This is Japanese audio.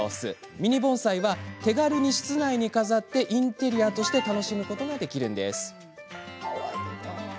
ミニ盆栽は手軽に室内に飾ってインテリアとして楽しむことができるんです。